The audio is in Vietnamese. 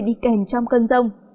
đi kèm trong cơn rông